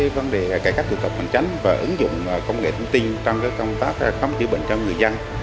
vấn đề cải cách cơ cộng bản chánh và ứng dụng công nghệ thông tin trong công tác khám chữa bệnh cho người dân